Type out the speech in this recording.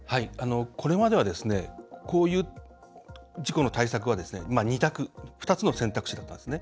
これまではこういう事故の対策は２択、２つの選択肢だったんです。